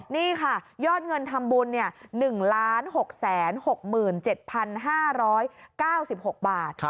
นี่ค่ะยอดเงินทำบุญ๑๖๖๗๕๙๖บาท